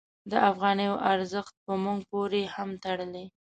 د افغانیو ارزښت په موږ پورې هم تړلی.